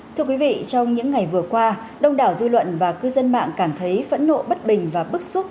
thưa quý vị trong những ngày vừa qua đông đảo dư luận và cư dân mạng cảm thấy phẫn nộ bất bình và bức xúc